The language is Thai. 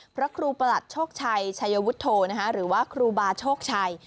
พระครูประหลัดโชคชัยชัยวุฒโธหรือว่าครูบาโชคชัย